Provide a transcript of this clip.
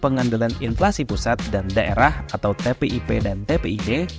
pengandalan inflasi pusat dan daerah atau tpip dan tpid